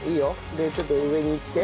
でちょっと上にいって。